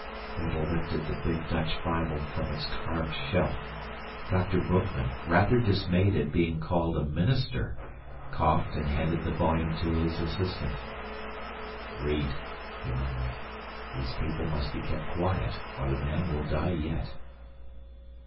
Gretel lifted the big Dutch Bible from its carved shelf. Dr. Boekman, rather dismayed at being called a minister, coughed and handed the volume to his assistant. "Read," he murmured. "These people must be kept quiet or the man will die yet."